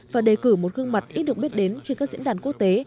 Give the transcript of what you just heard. và đề cử một gương mặt ít được biết đến trên các diễn đàn quốc tế